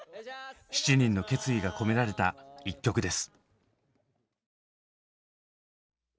７人の決意が込められた１曲です。